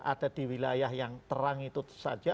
ada di wilayah yang terang itu saja